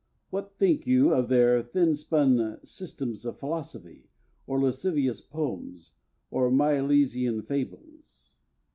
What think you of their thin spun systems of philosophy, or lascivious poems, or Milesian fables?